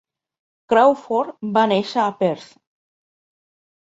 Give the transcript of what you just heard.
Crawford va néixer a Perth.